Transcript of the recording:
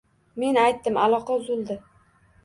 Men aytdim, aloqa uzildi